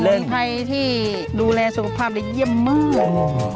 เป็นเหตุผลไทยที่ดูแลสุขภาพยังเยี่ยมมาก